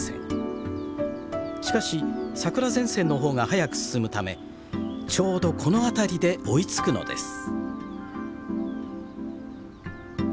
しかし桜前線の方が早く進むためちょうどこの辺りで追いつくのです。